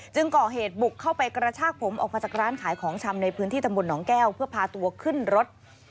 ก่อเหตุบุกเข้าไปกระชากผมออกมาจากร้านขายของชำในพื้นที่ตำบลหนองแก้วเพื่อพาตัวขึ้นรถ